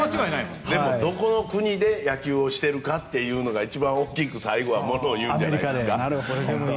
でも、どこの国で野球をしているかというのが一番大きく最後はものを言うんじゃないですか。